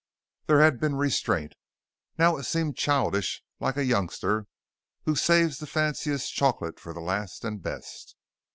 There had been restraint. Now it seemed childish like a youngster who saves the fanciest chocolate for the last and best.